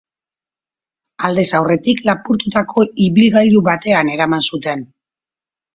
Aldez aurretik lapurtutako ibilgailu batean eraman zuten.